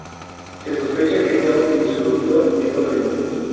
Se sospecha que sea un disruptor endocrino.